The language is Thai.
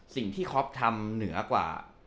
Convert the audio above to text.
สิ่งที่ครอสทำเหนือกว่า